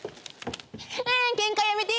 「あケンカやめて！」